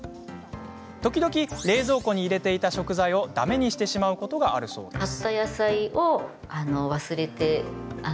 時々、冷蔵庫に入れていた食材をだめにしてしまうことがあるそうです。